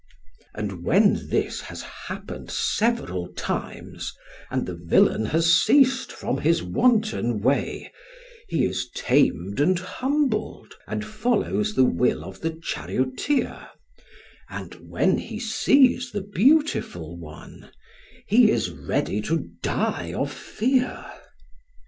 "And when this has happened several times and the villain has ceased from his wanton way, he is tamed and humbled and follows the will of the charioteer, and when he sees the beautiful one he is ready to die of fear.